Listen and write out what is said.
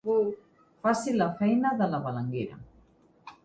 Faci la feina de la balenguera.